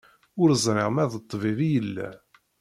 Ur ẓriɣ ma d ṭṭbib i yella.